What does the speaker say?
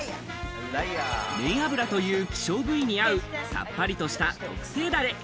面脂という希少部位に合うさっぱりとした特製ダレ。